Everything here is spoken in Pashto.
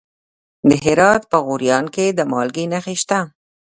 د هرات په غوریان کې د مالګې نښې شته.